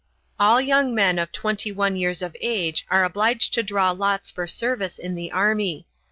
All young men of twenty one years of age are obliged to draw lots for service in the army.